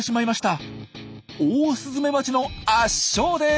オオスズメバチの圧勝です！